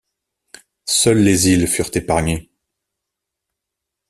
Seules les îles furent épargnées.